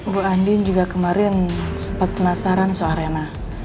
bu andin juga kemarin sempat penasaran soal rena